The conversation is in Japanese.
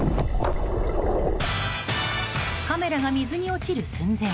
カメラが水に落ちる寸前